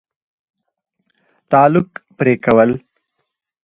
تعلق پرې كول